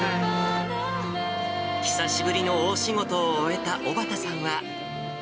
久しぶりの大仕事を終えた小幡さんは。